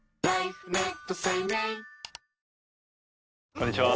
こんにちは。